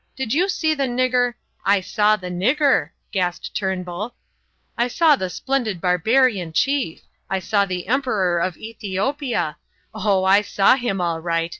"Did you see the nigger " "I saw the nigger," gasped Turnbull. "I saw the splendid barbarian Chief. I saw the Emperor of Ethiopia oh, I saw him all right.